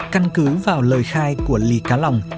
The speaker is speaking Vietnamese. căn cứ vào lời khai của lý cá lòng